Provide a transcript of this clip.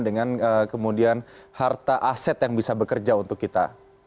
dengan kemudian harta aset yang bisa bekerja untuk kita